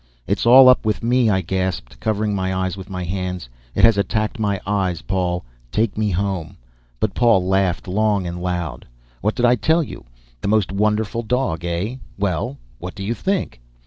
"It's all up with me," I gasped, covering my eyes with my hands. "It has attacked my eyes. Paul, take me home." But Paul laughed long and loud. "What did I tell you?—the most wonderful dog, eh? Well, what do you think?"